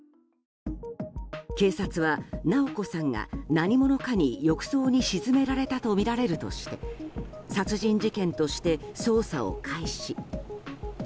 警察は直子さんが何者かに浴槽に沈められたとみられるとして殺人事件として捜査を開始。